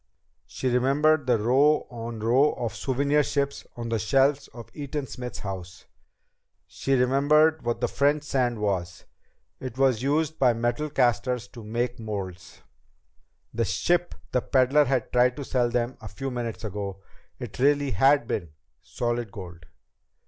She remembered the row on row of souvenir ships on the shelves in Eaton Smith's house. She remembered what French sand was. It was used by metal casters to make molds! The ship the peddler had tried to sell them a few minutes ago! It really had been solid gold!